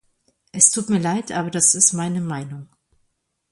Es tut mir leid, aber das ist meine Meinung.